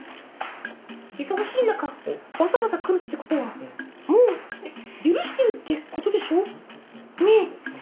忙しい中わざわざ来るってことはもう許してるってことでしょ？ねぇ？